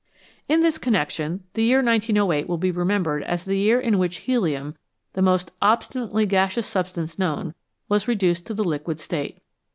In this connection the year 1908 will be remembered as the year in which helium, the most obstinately gaseous substance known, was reduced to the liquid state.